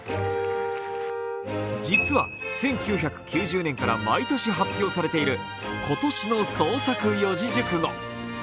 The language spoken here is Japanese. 実は１９９０年から毎年発表されている今年の創作四字熟語。